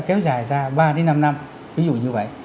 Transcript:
kéo dài ra ba đến năm năm ví dụ như vậy